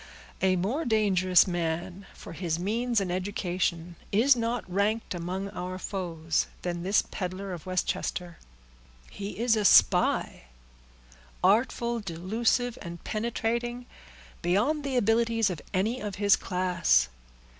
A more dangerous man, for his means and education, is not ranked among our foes than this peddler of Westchester. He is a spy—artful, delusive, and penetrating, beyond the abilities of any of his class.